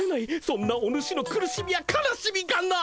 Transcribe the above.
そんなお主の苦しみや悲しみがな！